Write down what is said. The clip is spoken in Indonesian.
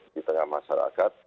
di tengah masyarakat